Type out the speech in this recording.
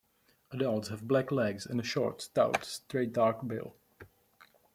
Adults have black legs and a short, stout, straight dark bill.